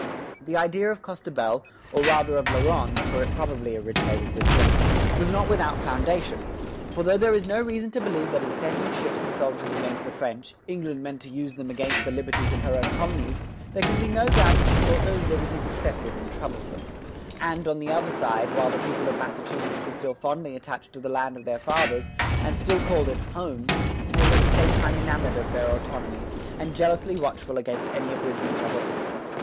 The idea of Costebelle, or rather of La Ronde, for it probably originated with him, was not without foundation; for though there is no reason to believe that in sending ships and soldiers against the French, England meant to use them against the liberties of her own colonies, there can be no doubt that she thought those liberties excessive and troublesome; and, on the other side, while the people of Massachusetts were still fondly attached to the land of their fathers, and still called it "Home," they were at the same time enamoured of their autonomy, and jealously watchful against any abridgment of it.